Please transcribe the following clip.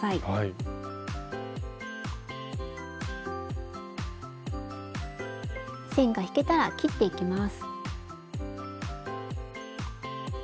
スタジオ線が引けたら切っていきます。